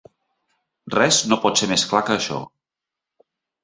Res no pot ser més clar que això.